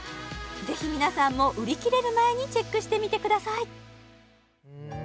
ぜひ皆さんも売り切れる前にチェックしてみてくださいふーん